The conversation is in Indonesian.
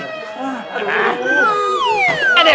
aduh pak deh